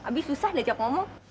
abi susah deh jawab ngomong